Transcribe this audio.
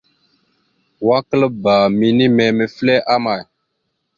Wa klaabba minime mefle ama.